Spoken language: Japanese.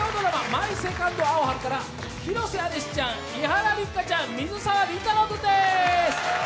「マイ・セカンド・アオハル」から広瀬アリスちゃん、伊原六花ちゃん、水沢林太郎君です。